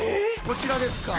こちらですか？